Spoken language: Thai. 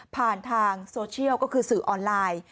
ผ่านทางโซเชียลก็คือสื่อออนไลน์